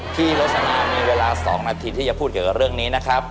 พี่โรสนามีเวลา๒นาทีที่จะพูดเกี่ยวกับเรื่องนี้นะครับ